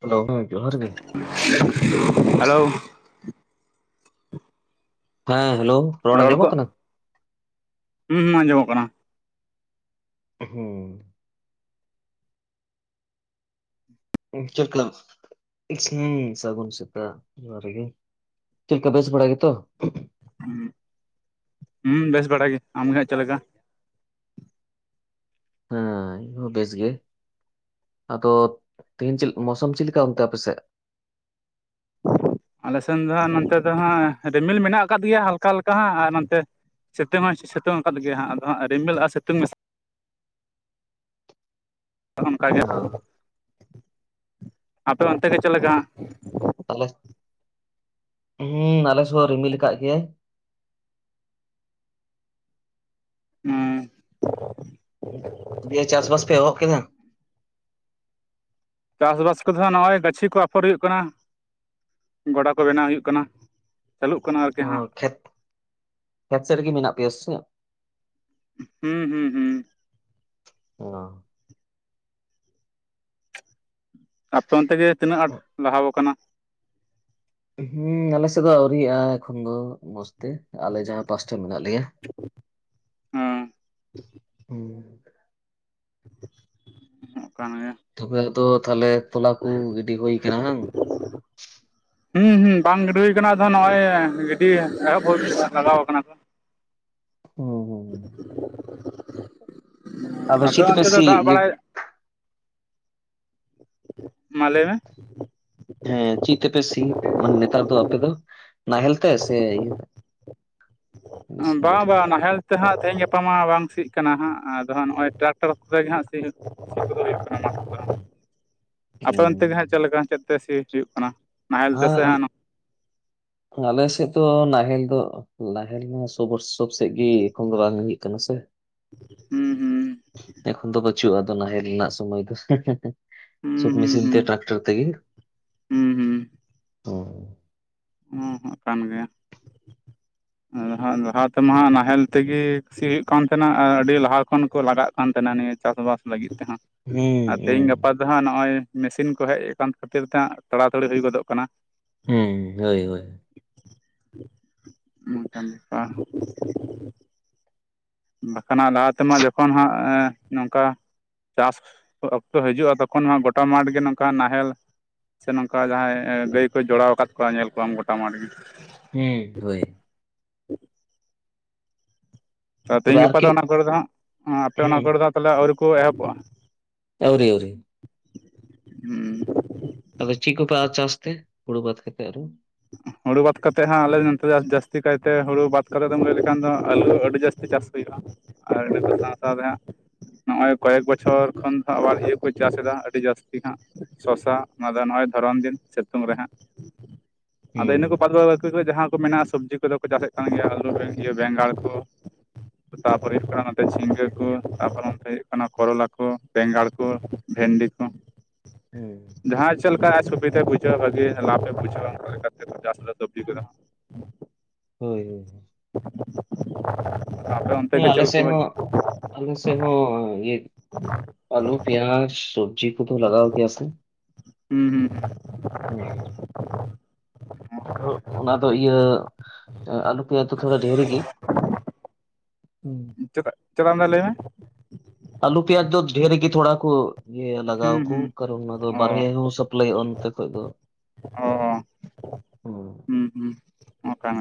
Hello! ᱦᱚᱸ ᱡᱚᱦᱟᱨ ᱜᱮ, [unintelligible] ᱦᱟᱞᱳ, ᱦᱮᱸ ᱦᱮᱞᱳ, ᱨᱚᱲ ᱟᱸᱡᱚᱢᱚᱜ ᱠᱟᱱᱟ? ᱦᱩᱸ ᱦᱩᱸ ᱟᱸᱡᱚᱢᱚᱜ ᱠᱟᱱᱟ᱾ ᱦᱩᱸ, ᱩᱸ ᱪᱮᱫ ᱞᱮᱠᱟ, ᱩᱸᱥ ᱦᱩᱸ ᱥᱟᱹᱜᱩᱱ ᱥᱮᱛᱟᱜ ᱡᱚᱦᱟᱨ ᱜᱮ᱾ ᱪᱮᱫ ᱞᱮᱠᱟ ᱵᱮᱥ ᱵᱟᱲᱟ ᱜᱮᱛᱚ? ᱦᱩᱸᱜ, ᱦᱩᱸ ᱵᱮᱥ ᱵᱟᱲᱟ ᱜᱮ ᱟᱢ ᱜᱮ ᱦᱟᱸᱜ ᱪᱮᱫ ᱞᱮᱠᱟ? ᱦᱟᱸᱭ, ᱤᱝ ᱦᱚᱸ ᱵᱮᱥ ᱜᱮ᱾ ᱟᱫᱚ ᱛᱮᱦᱤᱧ ᱪᱮᱫ, ᱢᱳᱥᱳᱢ ᱪᱤᱫ ᱞᱮᱠᱟ ᱚᱱᱛᱮ ᱟᱯᱮᱥᱮᱜ? ᱟᱞᱮ ᱥᱮᱱ ᱫᱚ ᱦᱟᱸᱜ ᱱᱚᱱᱛᱮ ᱫᱚ ᱦᱟᱸᱜ ᱨᱤᱢᱤᱞ ᱢᱮᱱᱟᱜ ᱟᱠᱟᱫ ᱜᱮᱭᱟ ᱦᱟᱞᱠᱟ ᱦᱟᱞᱠᱟ ᱦᱟᱸᱜ ᱟᱨ ᱱᱚᱱᱛᱮ ᱥᱤᱛᱩᱝ ᱦᱚᱸᱭ ᱥᱤᱥᱤᱛᱩᱝ ᱟᱠᱟᱫ ᱜᱮᱭᱟ ᱦᱟᱸᱜ ᱟᱫᱚ ᱦᱟᱸᱜ ᱨᱤᱢᱤᱞ ᱟᱨ ᱥᱤᱛᱩᱝ ᱢᱮᱥ- ᱠᱟᱜᱼᱟ ᱚᱱᱠᱟ ᱜᱮ, ᱚᱸ ᱟᱯᱮ ᱚᱱᱛᱮ ᱜᱮ ᱪᱮᱫ ᱞᱮᱠᱟ? ᱟᱞᱮ ᱦᱩᱸ ᱟᱞᱮ ᱥᱮ ᱦᱚ ᱨᱤᱢᱤᱞ ᱟᱠᱟᱜ ᱜᱮᱭᱟᱭ᱾ ᱩᱸᱻ ᱫᱤᱭᱟᱹ ᱪᱟᱥ ᱵᱟᱥ ᱯᱮ ᱮᱦᱚᱜ ᱠᱮᱫᱟ? ᱪᱟᱥ ᱵᱟᱥ ᱠᱚᱫᱚ ᱱᱷᱟᱸᱜ ᱱᱚᱜᱼᱚᱭ ᱜᱟᱹᱪᱷᱤ ᱠᱚ ᱟᱯᱷᱚᱨ ᱦᱩᱭᱩᱜ ᱠᱟᱱᱟ, ᱜᱚᱰᱟ ᱠᱚ ᱵᱮᱱᱟᱣ ᱦᱩᱭᱩᱜ ᱠᱟᱱᱟ᱾ ᱪᱟᱹᱞᱩᱜ ᱠᱟᱱᱟ ᱟᱨ ᱚᱸ ᱠᱷᱮᱛ, ᱠᱷᱮᱛ ᱥᱮᱫ ᱨᱮᱜᱤ ᱢᱮᱱᱟᱜ ᱯᱮᱭᱟ ᱥᱮ ᱪᱮᱫ? ᱩᱸᱦ, ᱦᱩᱸ ᱦᱩᱸ ᱦᱩᱸ᱾ ᱚ, ᱟᱯᱮ ᱚᱱᱛᱮ ᱜᱮ ᱛᱤᱱᱟᱹᱜ ᱟᱸᱴ ᱞᱟᱦᱟ ᱣᱟᱠᱟᱱᱟ? ᱦᱩᱸ ᱟᱞᱮᱥᱮᱫ ᱫᱚ ᱟᱹᱣᱨᱤᱭᱟᱜᱼᱟ ᱮᱠᱷᱚᱱ ᱫᱚ᱾ ᱢᱚᱸᱥ ᱛᱮ, ᱟᱞᱮ ᱡᱟᱦᱟᱸ ᱯᱟᱥᱴᱟ ᱢᱮᱱᱟᱜ ᱞᱮᱭᱟ᱾ ᱦᱮᱸ [unintelligible] ᱦᱩᱸ, [unintelligible] ᱮᱢᱚᱜ ᱠᱟᱱᱟᱭᱟ, ᱛᱚᱵᱮ ᱫᱚ ᱛᱟᱦᱮᱞᱮ ᱛᱚᱞᱟ ᱠᱩ ᱜᱤᱰᱤ ᱦᱩᱭ ᱠᱟᱱᱟ ᱦᱟᱝ? ᱦᱩᱸ ᱦᱩᱸ ᱵᱟᱝ ᱜᱤᱰᱤ ᱦᱩᱭ ᱟᱠᱟᱱᱟ, ᱟᱫᱚ ᱱᱚᱜᱼᱚᱭ ᱜᱤᱰᱤ ᱮᱦᱚᱵ ᱦᱩᱭᱩᱜᱼᱟ ᱞᱟᱜᱟᱣ ᱟᱠᱟᱱᱟ ᱠᱚ᱾ ᱚ ᱦᱚ ᱦᱚ ᱦᱚ, ᱟᱯᱮ ᱛᱮᱯᱮ ᱚᱱᱛᱮ ᱫᱚ ᱥᱤ ᱫᱟᱜ ᱤᱭᱟᱹ ᱵᱟᱲᱟᱭ [unintelligible] ᱢᱟ ᱞᱟᱹᱭ ᱢᱮ, ᱦᱮᱸ ᱪᱤᱫ ᱛᱮᱯᱤ ᱥᱤ, ᱮ ᱢᱟᱱᱮ ᱱᱮᱛᱟᱨ ᱫᱚ ᱟᱯᱮ ᱫᱚ ᱱᱟᱦᱮᱞ ᱛᱮ ᱥᱮ ᱤᱭᱟᱹ ᱛᱮ? ᱟᱸ ᱢᱮᱥᱤᱱ ᱵᱟᱝ ᱜᱟᱹᱰᱤ ᱛᱮ ᱵᱟᱝ ᱱᱟᱦᱮᱞ ᱛᱮ ᱦᱟᱸᱜ ᱛᱮᱦᱮᱧ ᱜᱟᱯᱟ ᱢᱟ ᱵᱟᱝ ᱥᱤᱜ ᱠᱟᱱᱟ ᱦᱟᱸᱜ ᱟᱫᱚ ᱦᱟᱸᱜ ᱱᱚᱜᱼᱚᱭ ᱴᱟᱨᱟᱠᱴᱟᱨ ᱠᱚᱛᱮ ᱜᱮ ᱦᱟᱸᱜ ᱥᱤ ᱥᱤ ᱠᱚᱫᱚ ᱦᱩᱭᱩᱜ ᱱᱚᱛᱮ ᱫᱚ, ᱟᱯᱮ ᱚᱱᱛᱮ ᱜᱮ ᱦᱩᱸ ᱦᱟᱸᱜ ᱪᱮᱫ ᱞᱮᱠᱟ ᱪᱮᱫ ᱛᱮ ᱥᱤ ᱦᱩᱭᱩᱜ ᱠᱟᱱᱟ? ᱱᱟᱦᱮᱞ ᱦᱟᱸ ᱛᱮᱥᱮ ᱦᱟᱸᱜ ᱟᱞ ᱟᱞᱮᱥᱮᱫ ᱫᱚ ᱱᱟᱦᱮᱞ ᱫᱚ ᱱᱟᱦᱮᱞ ᱢᱟ ᱥᱚᱵᱚᱥ- ᱠᱚᱞᱳᱵ ᱥᱮᱜ ᱜᱮ ᱮᱠᱷᱚᱱ ᱫᱚ ᱵᱟᱝ ᱦᱩᱭᱩᱜ ᱠᱟᱱᱟ ᱥᱮ, ᱦᱩᱸ ᱦᱩᱸ ᱱᱚᱛᱮ ᱠᱷᱚᱱ ᱫᱚ ᱵᱟᱹ ᱪᱩᱜᱼᱟ, ᱟᱫᱚ ᱱᱟᱦᱮᱞ ᱨᱮᱱᱟᱜ ᱥᱚᱢᱚᱭ ᱫᱚ, [unintelligible] ᱥᱚᱵ ᱦᱩᱸ ᱦᱩᱸ ᱢᱮᱥᱤᱱ ᱛᱮ ᱦᱩᱸ ᱴᱟᱨᱟᱠᱴᱟᱨ ᱛᱮᱜᱮ ᱦᱩᱸ ᱦᱩᱸ, ᱦᱚᱭ᱾ ᱩᱸ ᱦᱩᱸᱜ ᱠᱟᱱ ᱜᱮᱭᱟ᱾ ᱞᱟᱦᱟ ᱛᱮᱢᱟ ᱱᱟᱦᱮᱞ ᱛᱮᱜᱮ ᱥᱤ ᱦᱩᱭᱩᱜ ᱠᱟᱱ ᱛᱟᱦᱮᱱᱟ ᱟᱨ ᱟᱹᱰᱤ ᱞᱟᱦᱟ ᱠᱷᱚᱱ ᱠᱚ ᱞᱟᱜᱟᱜ ᱠᱟᱱ ᱛᱟᱦᱮᱱᱟ ᱱᱤᱭᱟᱹ ᱪᱟᱥ ᱵᱟᱥᱼᱼ ᱞᱟᱹᱜᱤᱫ ᱛᱮᱦᱟᱜ ᱟᱨ ᱛᱮᱦᱤᱧ ᱦᱩᱸ ᱜᱟᱯᱟ ᱫᱚᱦᱟᱸᱜ ᱱᱚᱜᱼᱚᱭ ᱢᱮᱥᱤᱱ ᱠᱚ ᱦᱮᱡ ᱟᱠᱟᱱ ᱠᱷᱟᱹᱛᱤᱨ ᱛᱮᱦᱟᱸᱜ ᱛᱟᱲᱟᱛᱟᱹᱲᱤ ᱦᱩᱭ ᱫᱚᱜᱚᱜ ᱠᱟᱱᱟ᱾ ᱦᱩᱸ ᱦᱳᱭ ᱦᱳᱭ ᱚᱱᱠᱟᱱ ᱵᱮᱯᱟᱼᱼ ᱵᱟᱠᱷᱟᱱ ᱦᱟᱜ ᱞᱟᱦᱟ ᱛᱮᱢᱟ ᱡᱚᱠᱷᱚᱱ ᱦᱟᱸᱜ ᱱᱚᱝ ᱠᱟᱼᱼ ᱪᱟᱥ ᱚᱠᱛᱚ ᱦᱤᱡᱩᱜᱼᱟ ᱛᱚᱠᱷᱚᱱ ᱢᱟ ᱜᱚᱴᱟ ᱢᱟᱴ ᱜᱮ ᱱᱚᱝᱠᱟ ᱱᱟᱦᱮᱞ ᱥᱮ ᱱᱚᱝᱠᱟ ᱡᱟᱦᱟᱸᱭ ᱜᱟᱹᱭ ᱠᱚ ᱡᱚᱲᱟᱣ ᱠᱟᱫ ᱠᱚᱣᱟ ᱧᱮᱞ ᱠᱚᱣᱟᱢ ᱜᱚᱴᱟ ᱢᱟᱴ ᱜᱮ ᱦᱩᱸ ᱦᱳᱭ [inaudible] ᱛᱚᱵᱮ ᱛᱮᱦᱤᱧ ᱜᱟᱯᱟ ᱫᱚ ᱟᱨᱠᱤ ᱚᱱᱟ ᱠᱚᱨᱮ ᱫᱚ ᱦᱟᱜ ᱟᱯᱮ ᱚᱱᱟ ᱦᱩᱸ ᱠᱚᱨᱮ ᱫᱚ ᱛᱟᱦᱞᱮ ᱟᱹᱣᱨᱤ ᱠᱚ ᱮᱦᱚᱵᱚᱜᱼᱟ? ᱟᱹᱩᱨᱤ ᱟᱹᱩᱨᱤ᱾ ᱦᱩᱸ ᱟᱫᱚ ᱪᱮᱫ ᱠᱚᱯᱮ ᱪᱟᱥᱛᱮ ᱦᱩᱲᱩ ᱵᱟᱫ ᱠᱟᱛᱮ ᱟᱫᱚᱼᱼ ᱦᱩᱲᱩ ᱵᱟᱫ ᱠᱟᱛᱮᱫ ᱦᱟᱸ ᱟᱞᱮ ᱱᱟᱛᱮ ᱡᱟᱹᱥᱛᱤ ᱠᱟᱭᱛᱮ ᱦᱩᱲᱩ ᱵᱟᱫ ᱠᱟᱛᱮᱫ ᱫᱚᱢ ᱞᱟᱹᱭ ᱞᱮᱠᱷᱟᱱ ᱫᱚ ᱟᱞᱩ ᱟᱹᱰᱤ ᱡᱟᱹᱥᱛᱤ ᱪᱟᱥᱼᱼ ᱦᱩᱭᱩᱜᱼᱟ ᱟᱨ ᱱᱰᱮ ᱥᱟᱶ ᱥᱟᱶ ᱫᱚ ᱦᱟᱸᱜ᱾ ᱱᱚᱜ ᱚᱭ ᱠᱚᱭᱮᱠ ᱵᱚᱪᱷᱚᱨ ᱠᱷᱚᱱ ᱫᱚ ᱟᱵᱟᱨ ᱤᱭᱟᱹ ᱠᱚ ᱪᱟᱥᱮᱫᱟ ᱟᱹᱰᱤ ᱡᱟᱹᱥᱛᱤ ᱦᱟᱜᱼᱼ ᱥᱚᱥᱟ ᱚᱱᱟ ᱫᱚ ᱱᱚᱜᱼᱚᱭ ᱫᱷᱚᱨᱚᱱ ᱫᱤᱱ ᱥᱤᱛᱩᱝ ᱨᱮᱦᱟᱸᱜ ᱟᱫᱚ ᱦᱩᱸ ᱤᱱᱟᱹ ᱠᱚ ᱵᱟᱫ ᱵᱟᱠᱤ ᱠᱚ ᱡᱟᱦᱟᱸ ᱠᱚ ᱢᱮᱱᱟᱜᱼᱟ ᱥᱚᱵᱽᱡᱤ ᱠᱚᱫᱚ ᱠᱚ ᱪᱟᱥᱮᱫ ᱠᱟᱱ ᱜᱮᱭᱟ ᱟᱹᱞᱩ ᱵᱮᱸᱜᱟᱲ ᱠᱚᱼᱼ ᱛᱟᱯᱚᱨᱮ ᱦᱩᱭᱩᱜ ᱠᱟᱱᱟ ᱱᱚᱛ ᱡᱷᱤᱸᱜᱟᱹ ᱠᱚ ᱛᱟᱯᱚᱨᱮ ᱚᱱᱚᱛ ᱦᱩᱭᱩᱜ ᱠᱟᱱᱟ ᱠᱚᱨᱚᱞᱟ ᱠᱚ ᱵᱮᱸᱜᱟᱲ ᱠᱚ ᱵᱷᱮᱱᱰᱤ ᱠᱚ [inaudible] ᱦᱩᱸ ᱡᱟᱦᱟᱸᱭ ᱪᱮᱫ ᱞᱮᱠᱟ ᱟᱡ ᱥᱩᱵᱤᱫᱟᱭ ᱵᱩᱡᱷᱟᱹᱣᱟ ᱵᱷᱟᱹᱜᱤ ᱞᱟᱯᱷ ᱮ ᱵᱩᱡᱷᱟᱹᱣᱟ, [unintelligible] ᱦᱳᱭ ᱦᱳᱭ [inaudible] ᱚᱱᱛᱮ ᱦᱮ ᱜᱮ ᱪᱮᱫ ᱟᱞ ᱥᱮ ᱞᱮᱠᱟ ᱦᱚᱸ ᱟᱞ ᱥᱮ ᱦᱚᱸ ᱤᱭᱟᱹᱼᱼ ᱟᱞᱩ ᱯᱤᱭᱟᱡ ᱥᱚᱵᱡᱤ ᱠᱚᱫᱚ ᱞᱟᱜᱟᱣ ᱜᱮᱭᱟ ᱥᱮᱼᱼ ᱦᱩᱸ ᱦᱩᱸ ᱦᱩᱸ ᱦᱩᱸ ᱚᱱᱟ ᱫᱚ ᱤᱭᱟᱹ ᱟᱞᱩ ᱯᱮᱭᱟ ᱫᱚ ᱛᱷᱚᱲᱟ ᱰᱷᱮᱨᱮ ᱜᱮ ᱦᱩᱸᱻ ᱪᱮᱫᱟᱜ ᱪᱮᱫᱟᱜ [unintelligible] ᱞᱟᱹᱭ ᱢᱮ ᱟᱞᱩ ᱯᱤᱭᱟᱭᱟᱡ ᱫᱚ ᱰᱷᱮᱨ ᱜᱮ ᱛᱷᱚᱲᱟ ᱠᱚᱼᱼ ᱤᱭᱟᱹ ᱦᱩᱸ ᱞᱟᱜᱟᱣ ᱠᱚ ᱦᱩᱸ ᱠᱟᱨᱚᱱ ᱚᱱᱟ ᱫᱚ ᱚ ᱵᱟᱨᱦᱮ ᱦᱚᱸ ᱥᱟᱯᱞᱟᱭᱚᱜᱼᱟ ᱱᱚᱛᱮ ᱠᱷᱚᱡ ᱫᱚ᱾ ᱚ ᱦᱩᱸ ᱚᱠᱟ [unintelligible]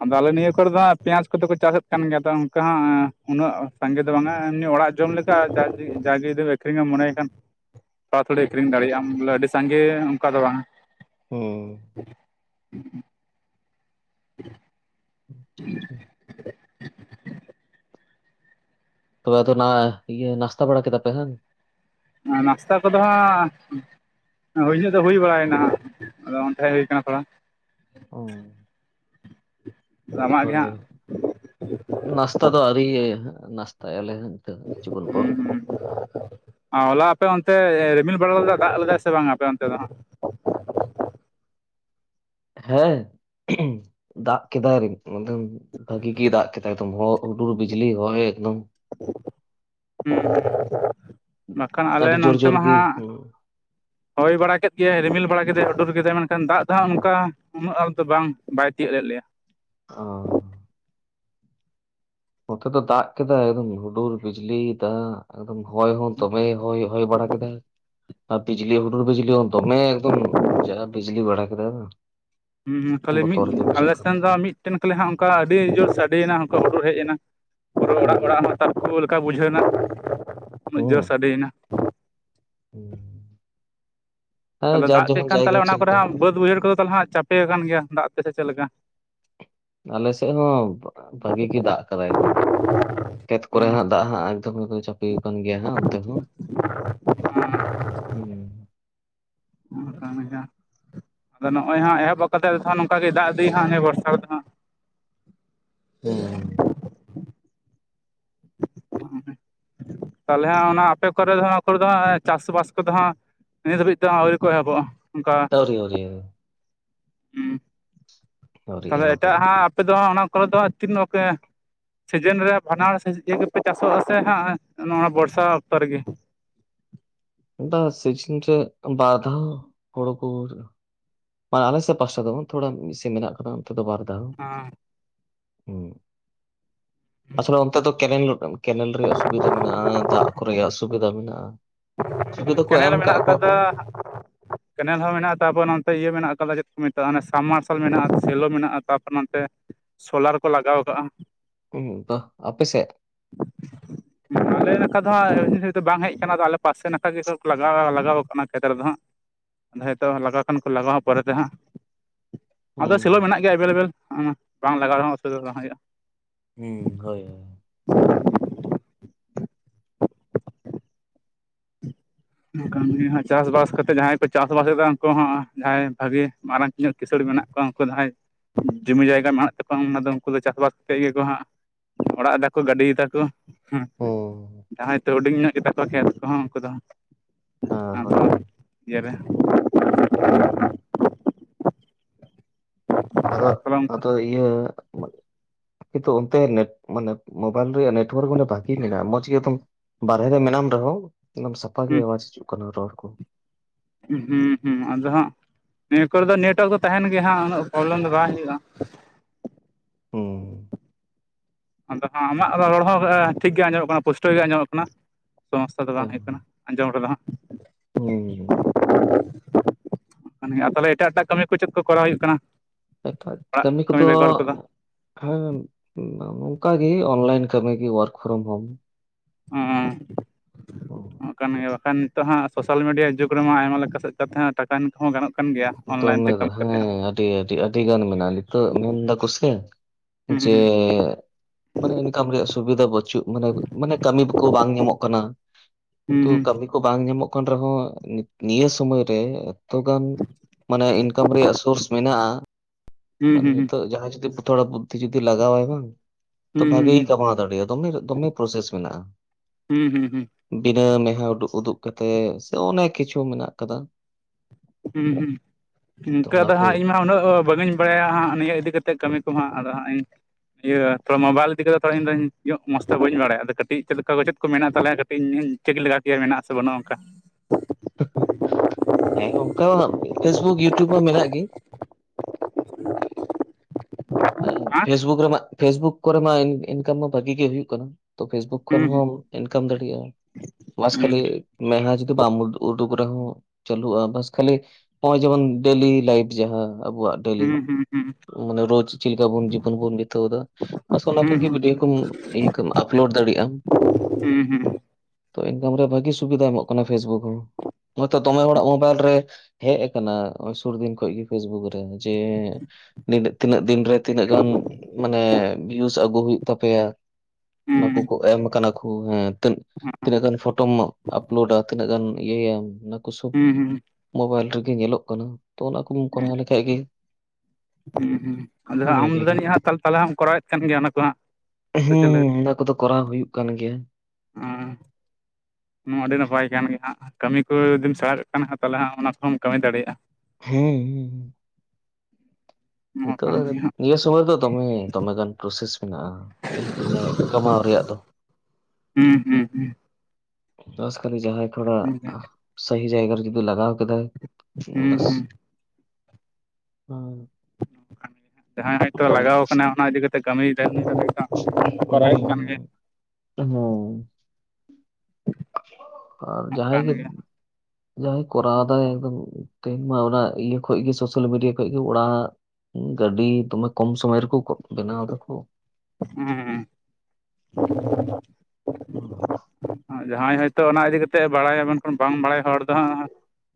ᱟᱫᱚ ᱟᱞᱮ ᱱᱤᱭᱟᱹ ᱠᱚᱨᱮ ᱫᱚ ᱱᱷᱟᱜ ᱯᱮᱸᱭᱟᱡᱽ ᱠᱚᱫᱚᱠᱚ ᱪᱟᱥᱮᱫ ᱠᱟᱱ ᱜᱮᱭᱟ ᱛᱚ ᱚᱱᱠᱟ ᱦᱟᱜ ᱚᱸ ᱩᱱᱟᱹᱜ ᱥᱟᱸᱜᱮ ᱫᱚ ᱵᱟᱝᱼᱟ ᱮᱢᱱᱤ ᱚᱲᱟᱜ ᱡᱚᱢ ᱞᱮᱠᱟ ᱡᱟᱭ ᱡᱤ ᱡᱟᱭ ᱡᱤ ᱟ. ᱠᱷᱨᱤᱧᱮᱢ ᱢᱚᱱᱮ ᱞᱮᱠᱷᱟᱱ ᱛᱷᱚᱲᱟ ᱛᱷᱚᱲᱤ ᱟᱹᱠᱷᱨᱤᱧ ᱫᱟᱲᱮᱭᱟᱜ ᱟᱢ ᱵᱚᱞᱮ ᱟᱹᱰᱤ ᱥᱟᱸᱜᱮ ᱚᱱᱠᱟ ᱫᱚ ᱵᱟᱝ ᱦᱩᱸ [inaudible] [inaudible] [inaudible] [inaudible] ᱛᱚᱵᱮ ᱟᱫᱚ ᱱᱟᱜ ᱤᱭᱟ. ᱱᱟᱥᱛᱟ ᱵᱟᱲᱟ ᱠᱮᱫᱟ ᱯᱮ ᱦᱟᱝ ᱱᱟᱥᱛᱟ ᱠᱚᱫᱚ ᱦᱟᱸᱜ ᱦᱩᱭ ᱧᱚᱜ ᱫᱚ ᱦᱩᱭ ᱵᱟᱲᱟᱭ ᱱᱟ ᱦᱟᱜ ᱟᱫᱚ ᱚᱱᱰᱷᱮ ᱦᱩᱭ ᱟᱠᱟᱱᱟ ᱛᱷᱚᱲᱟ ᱚᱸ ᱟᱢᱟᱜ ᱜᱮ ᱦᱳᱭ ᱦᱟᱸᱜ ᱦᱳᱭ ᱱᱟᱥᱛᱟ ᱫᱚ ᱟ [unintelligible] ᱱᱟᱥᱛᱟᱭᱟᱞᱮ ᱦᱟᱸᱜ ᱠᱤᱪᱷᱩ ᱠᱷᱚᱱ ᱯᱚᱨ ᱟᱸ ᱦᱚᱞᱟ ᱟᱯᱮ ᱚᱱᱛᱮ ᱨᱤᱢᱤᱞ ᱵᱟᱲᱟ ᱞᱮᱫᱟ ᱫᱟᱜᱽ ᱞᱮᱫᱟᱭ ᱥᱮ ᱵᱟᱝ ᱟᱯᱮ ᱚᱱᱛᱮ ᱫᱚ ᱦᱟᱸᱜ ᱦᱮᱸ ᱫᱟᱜᱽ ᱠᱮᱫᱟᱭ [unintelligible] ᱵᱷᱟᱜᱤ ᱜᱮ ᱫᱟᱜᱽ ᱠᱮᱫᱟᱭ ᱦᱚᱜ ᱦᱩᱰᱩᱨ ᱵᱤᱡᱽᱞᱤ ᱦᱚᱭ ᱮᱠᱫᱚᱢ [unintelligible] ᱦᱩᱸ ᱦᱩᱸ ᱵᱟᱝ ᱠᱷᱟᱱ ᱟᱞᱮ ᱟᱹᱰᱤ ᱡᱳᱨ ᱱᱚᱱᱛᱮ ᱡᱳᱨ ᱢᱟ ᱜᱮ ᱦᱟᱸᱜ ᱦᱩᱸ, ᱦᱚᱭ ᱵᱟᱲᱟ ᱠᱮᱫ ᱜᱮᱭᱟᱭ ᱨᱤᱢᱤᱞ ᱵᱟᱲᱟ ᱠᱮᱫᱟᱭ ᱦᱩᱰᱩᱨ ᱠᱮᱫᱟᱭ ᱢᱮᱱᱠᱷᱟᱱ ᱫᱟᱜᱽ ᱫᱚ ᱦᱟᱜ ᱚᱝᱠᱟ ᱩᱱᱟᱹᱜ ᱟᱞ ᱫᱚ ᱵᱟᱝ ᱵᱟᱭ ᱛᱤᱭᱟᱹᱜ ᱞᱮᱫ ᱞᱮᱭᱟ ᱚᱸ ᱱᱚᱛᱮ ᱫᱚ ᱫᱟᱜ ᱠᱮᱫᱟᱭ ᱮᱠᱫᱚᱢ ᱦᱩᱰᱩᱨ ᱵᱤᱡᱽᱞᱤ ᱫᱟᱜ ᱮᱠᱫᱚᱢ ᱦᱚᱭ ᱦᱚᱸ ᱫᱚᱢᱮᱭ ᱦᱚᱭ ᱦᱚᱭ ᱵᱟᱲᱟ ᱠᱮᱫᱟᱭ ᱟᱨ ᱵᱤᱡᱽᱞᱤ ᱦᱩᱰᱩᱨ ᱵᱤᱡᱽᱞᱤ ᱦᱚᱸ ᱫᱚᱢᱮᱭ ᱮᱠᱫᱚᱢ ᱡᱟ ᱵᱤᱡᱽᱞᱤ ᱵᱟᱲᱟ ᱠᱮᱫᱟᱭ ᱵᱟᱝ ᱦᱩᱸ ᱦᱩᱸ ᱠᱷᱟ. ᱞᱤ ᱢᱤᱫ ᱵᱚᱛᱚᱨ ᱜᱮ ᱵᱩᱡᱷᱟᱹᱜ ᱟᱞᱮ ᱠᱟᱱ ᱥᱮᱱ ᱫᱚ ᱛᱟᱦᱮᱸᱱᱟ ᱢᱤᱫ ᱢᱤᱫᱴᱮᱱ ᱠᱷᱟᱞᱤ ᱦᱟᱸᱜ ᱚᱱᱠᱟ ᱟᱹᱰᱤ ᱡᱳᱨ ᱥᱟᱰᱮᱭᱮᱱᱱᱟ ᱚᱱᱠᱟ ᱦᱩᱰᱩᱨ ᱦᱮᱡ ᱮᱱᱟ ᱯᱩᱨᱟᱹ ᱚᱲᱟᱜ ᱚᱲᱟᱜ ᱦᱩᱸ ᱦᱚᱸ ᱛᱟᱨᱠᱩ [unintelligible] ᱵᱩᱡᱷᱟᱹᱣᱱᱟ ᱩᱱᱟᱹᱜ ᱡᱳᱨ ᱦᱩᱸ ᱥᱟᱰᱮᱭᱮᱱᱟ [inaudible] ᱦᱮᱸ ᱛᱟᱦᱞᱮ ᱡᱟᱨ ᱫᱟᱜ ᱠᱮᱫ ᱡᱮᱢᱚᱱ ᱠᱷᱟᱱ ᱛᱟᱞᱮ ᱡᱟᱭᱜᱟ ᱚᱱᱟ ᱪᱮᱫ ᱠᱚᱨᱮ ᱞᱮᱠᱟ ᱦᱟᱜᱽ ᱵᱟᱹᱫᱽ ᱵᱟᱹᱭᱦᱟᱹᱲ ᱠᱚᱫᱚ ᱛᱟᱞᱦᱮ ᱦᱟᱸᱟᱜ ᱪᱟᱯᱮ ᱠᱟᱱ ᱜᱮᱭᱟ ᱫᱟᱜᱽ ᱛᱮᱥᱮ ᱪᱮᱫ ᱞᱮᱠᱟ ᱟᱞᱮ ᱥᱮᱜ ᱦᱚᱸ ᱵᱷᱟᱜᱤ ᱜᱤ ᱫᱟᱜ ᱠᱟᱫᱟᱭ ᱮᱠᱫᱚᱢ ᱠᱷᱮᱛ ᱠᱚᱨᱮ ᱦᱟᱸᱜ ᱫᱟᱜ ᱦᱟᱸᱜ ᱮᱠᱫᱚᱢ ᱪᱟᱯᱮᱭᱟᱠᱟᱱ ᱜᱮᱭᱟ ᱦᱟᱸᱜ ᱚᱱᱛᱮ ᱦᱚᱸ ᱦᱩᱸ [unintelligible] ᱟᱫᱚ ᱱᱚᱜᱼᱚᱭ ᱦᱟᱸᱜ ᱮᱦᱚᱵ ᱠᱟᱛᱮ ᱱᱚᱝᱠᱟ ᱜᱮ ᱫᱟᱜ ᱤᱫᱤᱭ ᱦᱟᱸᱜ ᱱᱤᱭᱟ ᱵᱚᱨᱥᱟ ᱨᱮᱫᱚ ᱦᱟᱸᱜ ᱦᱩᱸ ᱛᱟᱦᱞᱮ ᱦᱟᱸᱜ ᱚᱱᱟ ᱟᱯᱮ ᱠᱚᱨᱮ ᱫᱚ ᱦᱟᱸᱜ [unintelligible] ᱠᱚ ᱫᱚ ᱪᱟᱥᱵᱟᱥ ᱠᱚᱫᱚ ᱦᱟᱸᱜ ᱱᱤᱭᱟ. ᱫᱷᱟᱹᱵᱤᱡ ᱛᱮ ᱟᱹᱣᱨᱤ ᱠᱚ ᱮᱦᱚᱵᱚᱜᱼᱟ ᱚᱱᱠᱟ ᱟᱹᱣᱨᱤ ᱟᱹᱣᱨᱤ ᱛᱟᱦᱞᱮ ᱮᱴᱟᱜ ᱦᱟᱸᱜ ᱟᱯᱮ ᱫᱚ ᱦᱟᱸᱜ ᱚᱱᱟ ᱠᱚᱨᱮ ᱫᱚ ᱦᱟᱸᱜ ᱛᱤᱱ [unintelligible] ᱥᱤᱡᱮᱱ ᱨᱮ ᱵᱷᱟᱱᱟᱨ ᱥᱮ ᱤᱭᱟᱹ ᱜᱮᱯᱮ ᱪᱟᱥᱚᱜ ᱼ ᱟ ᱥᱮ ᱦᱟᱸᱜ ᱱᱚᱣᱟ ᱵᱚᱨᱥᱟ ᱚᱠᱛᱚ ᱨᱮᱜᱮ ᱵᱟ ᱥᱤᱡᱤᱱ ᱨᱮ ᱵᱟᱷᱟᱣ ᱦᱳᱲᱳ ᱠᱚᱼᱼᱼ ᱵᱟ ᱟᱞᱮᱥᱮᱫ ᱯᱟᱥᱴᱟ ᱫᱚ ᱛᱷᱚᱲᱟ ᱢᱤᱫᱥᱤ ᱢᱮᱱᱟᱜ ᱠᱟᱫᱟ ᱚᱱᱛᱮ ᱫᱚ ᱵᱟᱨ ᱫᱷᱟᱣ ᱦᱮᱸ ᱦᱩᱸ ᱟᱥᱚᱞᱮ ᱚᱱᱛᱮ ᱫᱚ [unintelligible] ᱠᱮᱱᱮᱞ ᱨᱮᱭᱟᱜ ᱥᱩᱵᱤᱫᱟ ᱢᱮᱱᱟᱜᱼᱟ ᱫᱟᱜ ᱠᱚᱨᱮᱭᱟᱜ ᱥᱩᱵᱤᱫᱟ ᱢᱮᱱᱟᱜᱼᱟ ᱥᱩᱵᱤᱫᱷᱟ ᱠᱚ ᱠᱮᱱᱮᱞ ᱮᱢ ᱠᱟᱜ ᱢᱮᱱᱟᱜ ᱠᱚᱣᱟ ᱠᱚ ᱟᱠᱟᱫᱟ ᱠᱮᱱᱮᱞ ᱦᱚᱸ ᱢᱮᱱᱟᱜᱼᱟ ᱛᱟᱨᱯᱚᱨ ᱱᱚᱛᱮ ᱤᱭᱟᱹ ᱢᱮᱱᱟᱜ ᱟᱠᱟᱫᱟ ᱪᱮᱫ ᱠᱚ ᱢᱮᱛᱟᱜᱼᱟ ᱥᱟᱢᱟᱨᱥᱟᱞ ᱢᱮᱱᱟᱜᱼᱟ ᱥᱮᱞᱳ ᱢᱮᱱᱟᱜᱼᱟ ᱛᱟᱨᱯᱚᱨ ᱱᱚᱛᱮ ᱥᱳᱞᱟᱨ ᱠᱚ ᱞᱟᱜᱟᱣ ᱠᱟᱜᱼᱟ ᱩᱸᱦᱩᱸᱜ ᱵᱟ ᱟᱯᱮ ᱥᱮ [inaudible] ᱟᱞᱮ ᱱᱟᱠᱷᱟ ᱫᱚ ᱦᱟᱸᱜ ᱟ. ᱰᱤ ᱰᱷᱮᱨ ᱫᱚ ᱵᱟᱝ ᱦᱮᱡ ᱟᱠᱟᱱᱟ ᱟᱞᱮ ᱯᱟᱥᱮ ᱱᱟᱠᱷᱟ ᱜᱮ ᱞᱟᱜᱟᱣ ᱞᱟᱜᱟᱣ ᱟᱠᱟᱱᱟ ᱠᱷᱮᱛ ᱨᱮᱫᱚ ᱦᱟᱸᱜ ᱦᱚᱭᱛᱚ ᱞᱟᱜᱟᱣ ᱠᱷᱟᱱ ᱠᱚ ᱞᱟᱜᱟᱣᱟ ᱯᱚᱨᱮ ᱛᱮ ᱦᱟᱸᱜ ᱟᱫᱚ ᱦᱩᱸ ᱥᱮᱞᱳ ᱢᱮᱱᱟᱜ ᱜᱮᱭᱟ ᱮᱵᱮᱞᱮᱵᱮᱞ ᱵᱟᱝ ᱞᱟᱜᱟᱣ ᱨᱮᱦᱚᱸ ᱚᱥᱩᱵᱤᱫᱟ ᱵᱟᱝ ᱦᱩᱭᱩᱜᱼᱟ ᱦᱩᱸ ᱦᱳᱭ [unintelligible] [unintelligible] ᱪᱟᱥᱵᱟᱥ ᱠᱟᱛᱮᱜ ᱡᱟᱦᱟᱸᱭ ᱠᱚ ᱪᱟᱥᱵᱟᱥᱮᱫᱟ ᱩᱱᱠᱩ ᱦᱚᱸ ᱡᱟᱦᱟᱸᱭ ᱵᱷᱟᱹᱜᱤ ᱢᱟᱨᱟᱝ ᱧᱚᱜ ᱠᱤᱥᱟᱹᱲ ᱢᱮᱱᱟᱜ ᱠᱚᱣᱟ ᱩᱱᱠᱩ [unintelligible] ᱡᱩᱢᱤ ᱡᱟᱭᱜᱟ ᱱᱷᱟᱜ [unintelligible] ᱩᱱᱠᱩ ᱫᱚ ᱪᱟᱥᱵᱟᱥ ᱠᱟᱛᱮᱫ ᱜᱮᱠᱚ ᱦᱟᱸᱜ ᱚᱲᱟᱜ ᱮᱫᱟᱠᱚ ᱜᱟᱹᱰᱤᱭ ᱮᱫᱟᱠᱚ ᱾ ᱦᱮᱸ ᱦᱩᱸ ᱡᱟᱦᱟᱸᱭ ᱛᱚ ᱦᱩᱰᱤᱝ ᱧᱚᱜ ᱜᱮ ᱛᱟᱠᱚᱣᱟ ᱠᱷᱮᱛ ᱠᱚᱦᱚᱸ ᱩᱱᱠᱩ ᱫᱚ ᱦᱳᱭ ᱟᱫᱚ ᱦᱳᱭ [unintelligible] ᱤᱭᱟᱹ ᱨᱮ ᱦᱚᱸᱻ ᱟᱫᱚ ᱠᱚᱞᱚᱢ ᱠᱚ ᱟᱫᱚ ᱤᱭᱟᱹ ᱢᱟ ᱠᱤᱱᱛᱩ ᱚᱱᱛᱮ ᱢᱟᱱᱮ ᱢᱳᱵᱟᱭᱤᱞ ᱨᱮᱭᱟᱜ ᱱᱮᱴᱣᱟᱨᱠ ᱵᱷᱟᱹᱜᱤ ᱢᱮᱱᱟᱜᱼᱟ ᱢᱚᱸᱡᱽ ᱜᱮ ᱵᱟᱨᱦᱮ ᱨᱮ ᱢᱮᱱᱟᱢ ᱨᱮᱦᱚᱸ ᱮᱠᱫᱚᱢ ᱥᱟᱯᱟᱜᱤ ᱦᱩᱸ ᱟᱣᱟᱡᱽ ᱦᱤᱡᱩᱜ ᱠᱟᱱᱟ ᱨᱚᱲ ᱠᱚ ᱾ ᱦᱩᱸᱻ ᱦᱩᱸ ᱟᱫᱚ ᱦᱟᱸᱜ ᱱᱤᱭᱟᱹ ᱠᱚᱨᱮ ᱫᱚ ᱱᱮᱴᱚᱣᱟᱨᱠ ᱫᱚ ᱛᱟᱦᱮᱱ ᱜᱮᱭᱟ ᱦᱟᱸᱜ ᱩᱱᱟᱹᱜ ᱯᱨᱚᱵᱽᱞᱮᱢ ᱫᱚ ᱵᱟᱝ ᱦᱩᱭᱩᱜᱼᱟ ᱾ ᱦᱩᱸᱻ ᱟᱫᱚ ᱟᱢᱟᱜ ᱨᱚᱲ ᱦᱚᱸ ᱴᱷᱤᱠ ᱜᱮ ᱟᱸᱡᱚᱢᱚᱜ ᱠᱟᱱᱟ ᱯᱩᱥᱴᱟᱹᱣ ᱜᱮ ᱟᱸᱡᱚᱢᱚᱜ ᱠᱟᱱᱟ ᱾ ᱥᱚᱢᱚᱥᱥᱟ ᱫᱚ ᱵᱟᱝ ᱦᱩᱭᱩᱜ ᱠᱟᱱᱟ ᱟᱸᱡᱚᱢ ᱨᱮᱫᱚ ᱦᱟᱸᱜ ᱦᱩᱸ ᱾ ᱛᱟᱦᱚᱞᱮ ᱮᱴᱟᱜ ᱮᱴᱟᱜ ᱠᱟᱹᱢᱤ ᱠᱚ ᱪᱮᱫ ᱠᱚ ᱠᱚᱨᱟᱣ ᱦᱩᱭᱩᱜ ᱠᱟᱱᱟ? [unintelligible] ᱚᱲᱟᱜ ᱠᱟᱹᱢᱤ ᱠᱚ ᱫᱚ ᱵᱮᱜᱚᱨ ᱠᱚᱫᱚ ᱦᱮᱸ ᱚᱱᱠᱟᱜᱤ ᱚᱱᱞᱟᱭᱤᱱ ᱠᱟᱹᱢᱤ ᱜᱤ ᱳᱣᱟᱨᱠ ᱯᱷᱨᱚᱢ ᱦᱳᱢ ᱾ ᱟᱪᱪᱷᱟ ᱾ [inaudible] ᱱᱚᱜ ᱠᱟᱱ ᱜᱮᱭᱟ ᱵᱟᱠᱷᱟᱱ ᱱᱤᱛᱚᱜ ᱦᱟᱸᱜ ᱥᱳᱥᱟᱞ ᱢᱤᱰᱤᱭᱟ ᱡᱩᱜᱽ ᱨᱮᱢᱟ ᱟᱭᱢᱟ ᱞᱮᱠᱟ ᱥᱮᱫ ᱠᱟᱛᱮ ᱦᱚᱸ ᱴᱟ [unintelligible] ᱠᱚᱦᱚᱸ ᱜᱟᱱᱚᱜ ᱠᱟᱱ ᱜᱮᱭᱟ ᱾ ᱫᱚᱢᱮ ᱫᱚ ᱦᱮᱸ ᱟᱹᱰᱤ ᱟᱹᱰᱤ ᱟᱹᱰᱤ ᱜᱟᱱ ᱢᱮᱱᱟᱜ ᱞᱮ ᱱᱤᱛᱚᱜ ᱢᱮᱱ ᱮᱫᱟ ᱠᱚᱥᱮ ᱾ ᱦᱚᱸ ᱡᱮᱻ ᱦᱩᱸ ᱢᱟᱱᱮ ᱤᱱᱠᱟᱢ ᱨᱮᱭᱟᱜ ᱥᱩᱵᱤᱫᱷᱟ ᱵᱟᱹᱪᱩᱜ ᱢᱟᱱᱮ ᱢᱟᱱᱮ ᱠᱟᱹᱢᱤ ᱠᱚ ᱵᱟᱝ ᱧᱟᱢᱚᱜ ᱠᱟᱱᱟ ᱦᱩᱸ ᱠᱤᱱᱛᱩ ᱠᱟᱹᱢᱤ ᱠᱚ ᱵᱟᱝ ᱧᱟᱢᱚᱜ ᱠᱟᱱ ᱨᱮᱦᱚᱸ ᱱᱤᱭᱟᱹ ᱥᱚᱢᱚᱭ ᱨᱮ ᱡᱚᱛᱚ ᱜᱟᱱ ᱢᱟᱱᱮ ᱤᱱᱠᱟᱢ ᱨᱮᱭᱟᱜ ᱥᱳᱨᱥ ᱢᱮᱱᱟᱜᱼᱟ ᱾ ᱦᱩᱸ ᱢᱟᱱᱮ ᱦᱩᱸ ᱦᱩᱸ ᱱᱤᱛᱚᱜ ᱡᱟᱦᱟᱸᱭ ᱡᱩᱫᱤ ᱛᱷᱚᱲᱟ ᱵᱩᱫᱽᱫᱷᱤ ᱡᱩᱫᱤ ᱞᱟᱜᱟᱣᱟᱭ ᱵᱟᱝ ᱾ ᱛᱚ ᱦᱩᱸ ᱦᱩᱸ ᱦᱩᱸ ᱦᱩᱸ ᱵᱷᱟᱹᱜᱤ ᱠᱟᱢᱟᱣ ᱫᱟᱲᱮᱭᱟᱜᱼᱟ ᱫᱚᱢᱮ ᱫᱚᱢᱮ ᱯᱨᱚᱥᱮᱥ ᱢᱮᱱᱟᱜᱼᱟ ᱦᱩᱸ ᱦᱩᱸ ᱦᱩᱸ ᱦᱩᱸ ᱾ ᱵᱤᱱᱟᱹ ᱢᱮᱦᱱᱚᱛ ᱩᱫᱩᱜ ᱠᱟᱛᱮᱜ ᱥᱮ ᱚᱱᱮᱠ ᱠᱤᱪᱷᱩ ᱢᱮᱱᱟᱜ ᱟᱠᱟᱫᱟ ᱾ ᱦᱩᱸ ᱦᱩᱸ ᱛᱚ ᱤᱱᱠᱟᱹ ᱚᱱᱟ ᱫᱚ ᱠᱚ ᱦᱟᱸᱜ ᱤᱧᱢᱟ ᱩᱱᱟᱹᱜ ᱵᱟᱹᱞᱤᱧ ᱵᱟᱲᱟᱭᱟ ᱦᱟᱸᱜ ᱱᱤᱭᱟᱹ ᱤᱫᱤ ᱠᱟᱛᱮᱫ ᱠᱟᱹᱢᱤ ᱠᱚ ᱦᱟᱸᱜ ᱟᱫᱚ ᱦᱟᱸᱜ ᱤᱧ ᱤᱭᱟᱹ ᱛᱷᱚᱲᱟ ᱢᱳᱵᱟᱭᱤᱞ ᱤᱫᱤ ᱠᱟᱛᱮ ᱤᱧ ᱫᱩᱧ ᱢᱚᱸᱡᱽ ᱛᱮ ᱵᱟᱹᱧ ᱵᱟᱲᱟᱭᱟ ᱟᱫᱚ ᱠᱟᱹᱴᱤᱡ ᱪᱮᱫ ᱞᱮᱠᱟ ᱠᱚ ᱪᱮᱫ ᱠᱚ ᱢᱮᱱᱟᱜ ᱛᱟᱞᱮᱭᱟ ᱠᱟᱹᱴᱤᱡ ᱤᱧ ᱪᱮᱠ ᱞᱮᱜᱟ ᱠᱮᱭᱟ ᱢᱮᱱᱟᱜᱼᱟ ᱥᱮ ᱵᱟᱹᱱᱩᱜᱼᱟ ᱚᱱᱠᱟ ᱾ ᱦᱮᱸ ᱚᱱᱠᱟ ᱯᱷᱮᱥᱵᱩᱠ ᱤᱭᱩᱴᱩᱵᱽ ᱢᱟ ᱢᱮᱱᱟᱜ ᱜᱮ ᱾ [inaudible] ᱦᱮᱸ ᱯᱷᱮᱥᱵᱩᱠ ᱨᱮᱢᱟ ᱯᱷᱮᱥᱵᱩᱠ ᱠᱚᱨᱮ ᱢᱟ ᱤᱱ ᱤᱱᱠᱟᱢ ᱢᱟ ᱵᱷᱟᱹᱜᱤ ᱜᱮ ᱦᱩᱭᱩᱜ ᱠᱟᱱᱟ ᱛᱚ ᱯᱷᱮᱥᱵᱩᱠ ᱠᱷᱚᱱ ᱦᱩᱸ ᱦᱚᱸᱢ ᱤᱱᱠᱟᱢ ᱫᱟᱲᱮᱭᱟᱜᱼᱟ ᱢᱟᱥ ᱦᱩᱸ ᱠᱷᱟᱹᱞᱤ ᱢᱮᱦᱱᱟᱹᱡᱽ ᱫᱚ ᱵᱟᱢ ᱩᱫᱩ--ᱩᱫᱩᱜᱽ ᱨᱮ ᱦᱚᱸ ᱪᱟᱹᱞᱩᱼᱟ ᱵᱟᱥ ᱠᱷᱟᱹᱞᱤ ᱱᱚᱜᱼᱚᱭ ᱡᱮᱢᱚᱱ ᱰᱮᱞᱤ ᱞᱟᱭᱤᱯᱷ ᱡᱟᱦᱟᱸ ᱟᱵᱚᱣᱟᱜ ᱰᱮᱞᱤ ᱦᱩᱸ ᱦᱩᱸ ᱦᱩᱸ ᱦᱩᱸ ᱦᱩᱸ ᱦᱩᱸ ᱦᱩᱸ ᱦᱩᱸ ᱢᱟᱱᱮ ᱨᱳᱡᱽ [unintelligible] ᱡᱤᱵᱚᱱ ᱵᱚᱱ ᱵᱤᱛᱟᱹᱣ ᱮᱫᱟ ᱟᱥᱚᱞ ᱚᱱᱟ ᱠᱚᱜᱮ ᱵᱷᱤᱰᱭᱳ ᱠᱚᱢ ᱤᱭᱟᱹ ᱟᱯᱞᱳᱰ ᱫᱟᱲᱮᱭᱟᱜᱼᱟ ᱾ ᱦᱩᱸ ᱦᱩᱸᱻ ᱛᱚ ᱤᱱᱠᱟᱢ ᱨᱮ ᱵᱷᱟᱹᱜᱤ ᱥᱩᱵᱤᱫᱷᱟᱭ ᱮᱢᱚᱜ ᱠᱟᱱᱟ ᱯᱷᱮᱥᱵᱩᱠ ᱦᱚᱸ ᱦᱚᱛᱚ ᱫᱚᱢᱮ ᱦᱚᱲᱟᱜ ᱢᱳᱵᱟᱭᱤᱞ ᱨᱮ ᱦᱮᱡ ᱟᱠᱟᱱᱟ ᱥᱩᱨ ᱫᱤᱱ ᱠᱷᱚᱡ ᱯᱷᱮᱥᱵᱩᱠ ᱨᱮ ᱡᱮ ᱫᱤᱱᱟ ᱛᱤᱱᱟᱹᱜ ᱫᱤᱱ ᱨᱮ ᱛᱤᱱᱟᱹᱜ ᱜᱟᱱ ᱢᱟᱱᱮ ᱵᱷᱤᱭᱩᱥ ᱟᱹᱜᱩ ᱦᱩᱭᱩᱜ ᱛᱟᱯᱮᱭᱟ ᱾ ᱚᱱᱟ ᱠᱚ ᱠᱚ ᱮᱢ ᱟᱠᱟᱱᱟ ᱠᱚ ᱦᱮᱸ ᱛᱤᱱᱟᱹ ᱛᱤᱱᱟᱹᱜ ᱜᱟᱱ ᱯᱷᱚᱴᱳᱚᱢ ᱟᱯᱞᱳᱰ ᱛᱤᱱᱟᱹᱜ ᱛᱤᱱᱟᱹᱜ ᱜᱟᱱ ᱤᱭᱟᱹᱭᱟᱢ ᱚᱱᱟ ᱠᱚ ᱥᱚᱵ ᱦᱩᱸ ᱢᱳᱵᱟᱭᱤᱞ ᱨᱮᱜᱮ ᱧᱮᱞᱚᱜ ᱠᱟᱱᱟ᱾ ᱛᱚ ᱚᱱᱟᱠᱚᱢ ᱦᱩᱸ ᱠᱚᱨᱟᱣ ᱞᱮᱠᱷᱟᱡ ᱜᱮ ᱦᱩᱸ ᱦᱩᱸ ᱟᱫᱚ ᱟᱢ ᱵᱷᱟᱜᱮ ᱫᱚ ᱜᱮ ᱡᱟᱱᱤᱡᱜ ᱦᱟᱸᱜ ᱛᱟᱦᱚᱞᱮ ᱦᱟᱸᱜ ᱮᱢ ᱠᱚᱨᱟᱣᱮᱫ ᱠᱟᱱ ᱜᱮᱭᱟ ᱚᱱᱟ ᱠᱚ ᱦᱟᱸᱜ, ᱥᱮ ᱦᱮᱸ ᱚᱱᱟ ᱠᱚᱫᱚ ᱠᱚᱨᱟᱣ ᱦᱩᱭᱩᱜ ᱠᱟᱱ ᱜᱮᱭᱟ᱾ [inaudible] ᱱᱚᱣᱟ ᱟᱹᱰᱤ ᱱᱟᱯᱟᱭ ᱠᱟᱱ ᱜᱮᱭᱟ ᱦᱟᱸᱜ ᱠᱟᱹᱢᱤ ᱠᱚ ᱡᱩᱫᱤᱢ ᱥᱮᱬᱟ ᱠᱟᱜ ᱠᱷᱟᱱ ᱛᱟᱦᱚᱞᱮ ᱦᱟᱸᱜ ᱚᱱᱟ ᱠᱚᱦᱚᱸᱢ ᱠᱟᱹᱢᱤ ᱫᱟᱲᱮᱭᱟᱜᱼᱟ᱾ ᱦᱮᱸᱼᱼ ᱱᱚᱣᱟ ᱱᱤᱛᱚᱜ ᱠᱟᱱ ᱫᱚ ᱜᱮᱭᱟ ᱦᱟᱸᱜ ᱱᱤᱭᱟᱹ ᱥᱳᱢᱚᱭ ᱨᱮᱫᱚ ᱫᱚᱢᱮ ᱫᱚᱢᱮᱜᱟᱱ ᱯᱨᱚᱥᱮᱥ ᱢᱮᱱᱟᱜᱼᱟ᱾ ᱢᱟᱱᱮ ᱠᱟᱢᱟᱣ ᱨᱮᱭᱟᱜ ᱫᱚ ᱦᱩᱸ ᱦᱩᱸ ᱦᱩᱸ ᱵᱟᱥ ᱠᱷᱟᱹᱞᱤ ᱡᱟᱦᱟᱸᱭ ᱛᱷᱚᱲᱟ ᱦᱩᱸ ᱦᱩᱸ ᱥᱟᱦᱤ ᱡᱟᱭᱜᱟ ᱨᱮ ᱡᱩᱫᱤ ᱞᱟᱜᱟᱣ ᱠᱮᱫᱟᱭ ᱵᱟᱥ ᱦᱩᱸ ᱦᱟᱸ ᱡᱟᱦᱟᱸᱭ ᱦᱚᱭᱛᱚ ᱞᱟᱜᱟᱣ ᱠᱟᱱᱟ ᱚᱱᱟ ᱤᱫᱤ ᱠᱟᱛᱮᱫ ᱠᱟᱹᱢᱤᱭ ᱫᱟᱭ ᱩᱱᱤ ᱫᱚ ᱠᱟᱹᱢᱤ ᱠᱚᱨᱟᱣᱮᱫ ᱠᱟᱱ ᱜᱮᱭᱟ᱾ ᱦᱩᱸ ᱟᱨ ᱡᱟᱦᱟᱸᱭ ᱠᱟᱱ ᱜᱮᱫ ᱜᱮᱭᱟ ᱡᱟᱦᱟᱸᱭ ᱠᱚᱨᱟᱣ ᱫᱟᱭ ᱮᱠᱫᱚᱢ ᱛᱮᱦᱮᱧ ᱢᱟ ᱚᱱᱟ ᱤᱭᱟᱹ ᱠᱷᱚᱡᱜᱮ ᱥᱳᱥᱟᱞ ᱢᱤᱰᱤᱭᱟ ᱠᱷᱚᱡᱜᱮ ᱚᱲᱟᱜ ᱜᱟᱹᱰᱤ ᱫᱚᱢᱮ ᱠᱚᱢ ᱥᱚᱢᱚᱭ ᱨᱮ ᱠᱚ ᱠᱚᱼᱼ ᱵᱮᱱᱟᱣ ᱫᱟᱠᱚᱼᱼ [inaudible] ᱦᱮᱸ ᱡᱟᱦᱟᱸᱭ ᱦᱚᱭᱛᱚ ᱚᱱᱟ ᱤᱫᱤ ᱠᱟᱛᱮᱫ ᱮ ᱵᱟᱲᱟᱭᱟ ᱢᱮᱱᱠᱷᱟᱱ ᱵᱟᱝ ᱵᱟᱲᱟᱭ ᱦᱚᱲ ᱫᱚ ᱦᱟᱸᱜ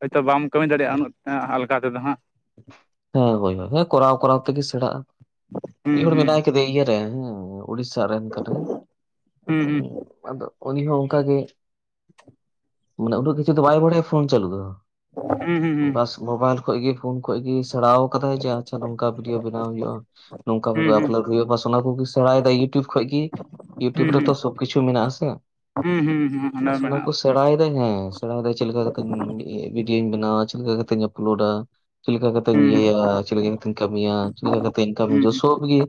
ᱦᱳᱭᱛᱚ ᱵᱟᱢ ᱠᱟᱹᱢᱤ ᱫᱟᱲᱮᱭᱟᱜᱼᱟ ᱩᱱᱟᱹᱜ ᱟᱞᱜᱟ ᱛᱮᱫᱚ ᱦᱟᱸᱜ᱾ ᱦᱮᱸ ᱵᱚᱭᱦᱟ ᱦᱮᱸ ᱠᱚᱨᱟᱣ ᱠᱚᱨᱟᱣ ᱛᱮᱜᱮ ᱥᱮᱬᱟᱜᱼᱟ, ᱦᱩᱸ ᱢᱤᱫ ᱦᱚᱲ ᱦᱩᱸ ᱢᱮᱱᱟᱭ ᱠᱮᱫᱮᱭᱟ ᱤᱭᱟᱹ ᱨᱮ ᱦᱮᱸᱼᱼ ᱩᱲᱤᱥᱥᱟ ᱨᱮᱱ ᱠᱟᱹᱱᱟᱹᱭ ᱦᱩᱸ ᱟᱫᱚ ᱩᱱᱤ ᱦᱚᱸ ᱚᱱᱠᱟ ᱜᱮ [inaudible] ᱢᱟᱱᱮ ᱩᱱᱟᱹᱜ ᱠᱤᱪᱷᱩ ᱫᱚ ᱵᱟᱭ ᱵᱟᱲᱟᱭᱟ ᱯᱷᱳᱱ ᱪᱟᱹᱞᱩ ᱫᱚ ᱦᱩᱸ ᱦᱩᱸ ᱦᱩᱸ ᱵᱟᱥ ᱢᱳᱵᱟᱭᱤᱞ ᱠᱷᱚᱡ ᱜᱮ ᱯᱷᱳᱱ ᱠᱷᱚᱡ ᱜᱤ ᱥᱮᱬᱟᱣ ᱠᱟᱫᱟᱭ ᱡᱮ ᱟᱪᱪᱷᱟ ᱱᱚᱝᱠᱟ ᱵᱷᱤᱰᱭᱳ ᱵᱮᱱᱟᱣ ᱦᱩᱭᱩᱜᱼᱟ᱾ ᱱᱚᱝᱠᱟ ᱦᱩᱸ ᱦᱩᱸ ᱵᱷᱟᱵᱮ ᱦᱩᱸ ᱟᱯᱞᱳᱰ ᱦᱩᱭᱩᱜᱼᱟ ᱵᱟᱥ ᱚᱱᱟ ᱠᱚᱜᱮ ᱥᱮᱬᱟᱭᱫᱟᱭ ᱤᱭᱩᱴᱩᱵᱽ ᱠᱷᱚᱡ ᱜᱮ᱾ ᱤᱭᱩᱴᱩᱵᱽ ᱦᱩᱸ ᱨᱮᱛᱚ ᱥᱚᱵ ᱠᱤᱪᱷᱩ ᱢᱮᱱᱟᱜᱼᱟ ᱥᱮ᱾ ᱦᱩᱸ ᱦᱩᱸ ᱚᱱᱟ ᱢᱮᱱᱟᱜᱼᱟ᱾ ᱥᱮᱬᱟᱭ ᱫᱟᱭ ᱦᱮᱸ ᱥᱮᱬᱟᱭ ᱫᱟᱭ ᱪᱮᱫ ᱞᱮᱠᱟ ᱠᱟᱛᱮ ᱵᱷᱤᱰᱭᱳᱧ ᱵᱮᱱᱟᱣᱟ ᱪᱮᱫ ᱞᱮᱠᱟ ᱠᱟᱛᱮᱧ ᱟᱯᱞᱳᱴᱟᱼᱼ ᱧ ᱦᱩᱸ ᱦᱩᱸ ᱤᱭᱟᱹᱭᱟ ᱪᱮᱫ ᱞᱮᱠᱟ ᱠᱟᱛᱮᱧ ᱠᱟᱹᱢᱤᱭᱟ ᱪᱮᱫ ᱞᱮᱠᱟ ᱠᱟᱛᱮ ᱤᱧ ᱦᱩᱸ ᱠᱟᱹᱢᱤᱭᱟ ᱦᱩᱸ ᱥᱚᱵᱷ ᱜᱮ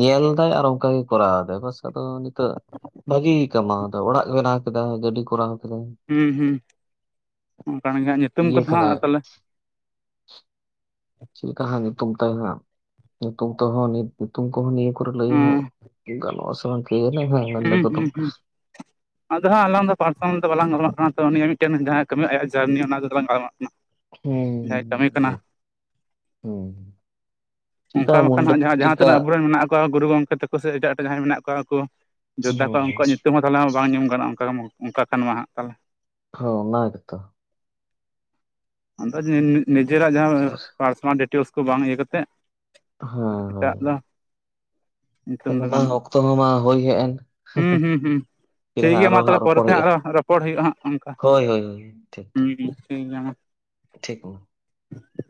ᱧᱮᱞᱫᱟᱭ ᱟᱨ ᱚᱱᱠᱟᱜ ᱜᱮ ᱠᱚᱨᱟᱣ ᱫᱟᱭ ᱵᱟᱥ ᱟᱫᱚ ᱱᱤᱛᱚᱜ ᱵᱷᱟᱹᱜᱤ ᱠᱟᱢᱟᱣᱫᱟ ᱚᱲᱟᱜ ᱵᱮᱱᱟᱣ ᱠᱮᱫᱟᱭ ᱜᱟᱹᱰᱤ ᱠᱚᱨᱟᱣ ᱠᱮᱫᱟᱭ᱾ ᱦᱩᱸ ᱦᱩᱸ ᱵᱟᱝ ᱦᱟᱸᱜ ᱧᱩᱛᱩᱢ ᱤᱭᱟᱹ ᱠᱚᱫᱚ ᱠᱟᱱᱟᱭ ᱦᱟᱸᱜ ᱛᱟᱞᱦᱮ? ᱪᱮᱫ ᱞᱮᱠᱟ ᱦᱟᱸᱜ ᱧᱩᱛᱩᱢ ᱛᱟᱭ ᱦᱟᱸᱜ ᱧᱩᱛᱩᱢ ᱛᱮᱦᱚᱸ ᱧᱩᱛᱩᱢ ᱠᱚᱦᱚᱸ ᱱᱤᱭᱟᱹ ᱠᱚᱨᱮ ᱞᱟᱹᱭ ᱦᱚᱸ ᱦᱩᱸ ᱜᱟᱱᱚᱜ ᱟᱥᱮ ᱵᱟᱝ ᱠᱮ ᱡᱟᱱᱮ ᱦᱮᱸᱜ ᱢᱮᱱ ᱫᱟᱠᱚ ᱛᱚᱼᱼ ᱦᱩᱸ ᱦᱩᱸ ᱟᱫᱚ ᱦᱟᱸᱜ ᱟᱞᱟᱝ ᱫᱚ ᱯᱟᱨᱥᱚᱱᱟᱞ ᱫᱚ ᱵᱟᱞᱟᱝ ᱜᱟᱞᱢᱟᱨᱟᱜ ᱠᱟᱱᱟ ᱛᱚ ᱱᱤᱭᱟᱹ ᱢᱤᱫᱴᱮᱱ ᱡᱟᱦᱟᱸ ᱠᱟᱹᱢᱤ ᱟᱭᱟᱜ ᱡᱟᱨᱱᱤ ᱚᱱᱟ ᱫᱚᱞᱟᱝ ᱜᱟᱞᱢᱟᱨᱟᱜ ᱠᱟᱱᱟ᱾ ᱦᱩᱸ ᱡᱟᱦᱟᱸᱭ ᱠᱟᱹᱢᱤ ᱠᱟᱱᱟ ᱦᱩᱸ [inaudible] ᱪᱮᱫᱠᱟ ᱚᱱᱠᱟ ᱵᱟᱠᱷᱟᱱ ᱢᱩᱱᱰᱟᱹ ᱦᱟᱸᱜ ᱡᱟᱦᱟᱸ ᱪᱮᱫᱠᱟ ᱡᱟᱦᱟᱸᱛᱤᱱᱟᱹᱜ ᱟᱵᱚᱨᱮᱱ ᱢᱮᱱᱟᱜ ᱼᱼ ᱜᱩᱨᱩ ᱜᱚᱢᱠᱮ ᱛᱟᱠᱚ ᱥᱮ ᱮᱴᱟᱜ ᱮᱴᱟᱜ ᱡᱟᱦᱟᱸᱭ ᱢᱮᱱᱟᱜ ᱠᱚᱣᱟ ᱩᱱᱠᱩ ᱡᱳᱫᱽᱫᱷᱟ ᱦᱩᱸ ᱠᱚᱣᱟᱜ ᱩᱱᱠᱩᱣᱟᱜ ᱧᱩᱛᱩᱢ ᱦᱚᱸᱼᱼ ᱛᱟᱞᱦᱮᱢᱟ ᱵᱟᱝ ᱧᱩᱢ ᱜᱟᱱᱚᱜ ᱚᱱᱠᱟ ᱚᱱᱠᱟ ᱠᱷᱟᱱ ᱢᱟ ᱦᱟᱸᱜ ᱛᱟᱞᱦᱮ᱾ ᱦᱚᱸ, ᱚᱱᱟ ᱜᱮᱛᱚ᱾ ᱟᱫᱚ ᱱᱤ ᱱᱤᱡᱮᱨᱟᱜ ᱡᱟᱦᱟᱸ ᱯᱟᱨᱥᱚᱱᱟᱞ ᱰᱤᱴᱮᱞᱮᱥ ᱠᱚ ᱵᱟᱝ ᱤᱭᱟᱹ ᱠᱟᱛᱮᱫ ᱦᱮᱸ ᱮᱴᱟᱜ ᱦᱳᱭ ᱫᱚ ᱧᱩᱛᱩᱢ ᱫᱚ ᱢᱟ ᱜᱟᱱᱚᱜᱼᱟ ᱚᱠᱛᱚ ᱦᱚᱸ ᱢᱟ ᱦᱩᱭ ᱦᱮᱡ ᱮᱱᱼᱼ ᱦᱩᱸ ᱦᱩᱸ ᱦᱩᱸ ᱛᱤᱨᱮ ᱴᱷᱤᱠ ᱦᱟᱸᱜ ᱜᱮᱭᱟ ᱟᱨᱚ ᱢᱟ ᱛᱟᱦᱚᱞᱮ ᱦᱟᱸᱜ ᱨᱚᱯᱚᱲ ᱯᱚᱨᱮᱛᱮ ᱦᱩᱭᱩᱜᱼᱟ ᱦᱟᱸᱜ ᱨᱚᱯᱚᱲ ᱦᱩᱭᱩᱜᱼᱟ ᱦᱟᱸᱜ ᱚᱱᱠᱟ [inaudible] ᱦᱳᱭ ᱦᱳᱭ ᱦᱳᱭ ᱴᱷᱤᱠ ᱦᱩᱸ ᱴᱷᱤᱠ᱾ ᱜᱮᱭᱟ ᱢᱟ ᱴᱷᱤᱠ ᱩᱸ᱾